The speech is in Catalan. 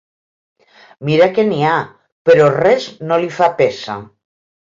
Mira que n'hi ha, però res no li fa peça.